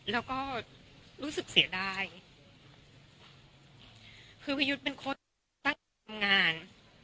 แล้วก็รู้สึกเสียดายคือพี่ยุทธ์เป็นคนตั้งทำงาน